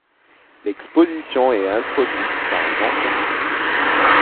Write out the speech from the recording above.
L'exposition est introduite par Jean Cassou.